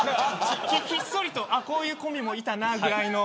ひっそりと、こういうコンビもいたなぐらいの。